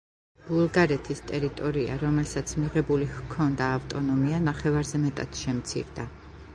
ბულგარეთის ტერიტორია, რომელსაც მიღებული ჰქონდა ავტონომია, ნახევარზე მეტად შემცირდა.